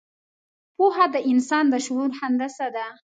پوهه د انسان د شعور هندسه ده.